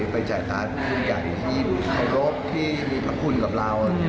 ไปจ่ายการทุกคู่ใหญ่ที่รบที่มีภรรพคุณกับเรา